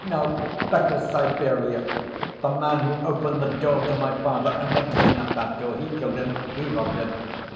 No, better Siberia! The man who opened the door to my father and went in at that door, he killed him, he robbed him.